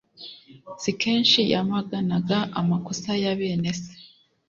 Si kenshi yamaganaga amakosa ya bene se,